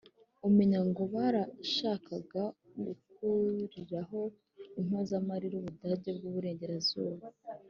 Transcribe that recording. umenya ngo barashakaga gukuriraho impozamarira ubudage bw' iburengerazuba